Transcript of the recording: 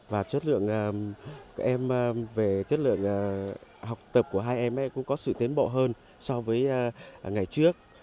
và chất lượng học tập của hai em cũng có sự tiến bộ hơn so với ngày trước